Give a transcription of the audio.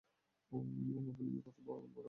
অপু বলে, কত বড় নৌকো মা?